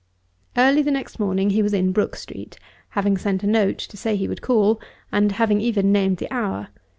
Early the next morning he was in Brook Street, having sent a note to say he would call, and having even named the hour.